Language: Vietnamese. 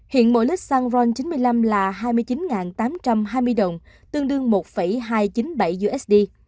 hiện mỗi lít xăng ron chín mươi năm là hai mươi chín tám trăm hai mươi đồng tương đương một hai trăm chín mươi bảy usd